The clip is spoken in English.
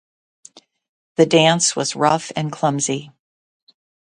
The dance was rough and clumsy.